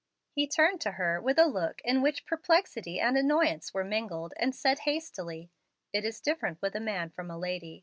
'" He turned to her with a look in which perplexity and annoyance were mingled, and said hastily: "It is different with a man from a lady.